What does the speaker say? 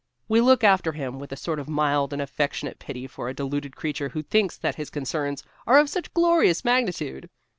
We look after him with a sort of mild and affectionate pity for a deluded creature who thinks that his concerns are of such glorious magnitude.